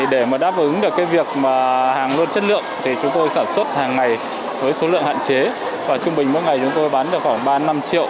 để mà đáp ứng được cái việc mà hàng luôn chất lượng thì chúng tôi sản xuất hàng ngày với số lượng hạn chế và trung bình mỗi ngày chúng tôi bán được khoảng ba năm triệu